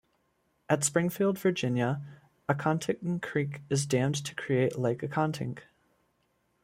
At Springfield, Virginia, Accotink Creek is dammed to create Lake Accotink.